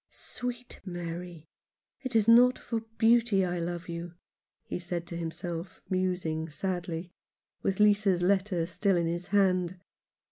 " Sweet Mary, it is not for beauty I love you," he said to himself, musing sadly, with Lisa's letter still in his hand.